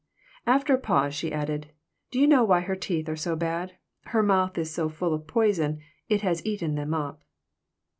After a pause she added: "Do you know why her teeth are so bad? Her mouth is so full of poison, it has eaten them up."